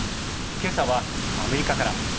今朝はアメリカから。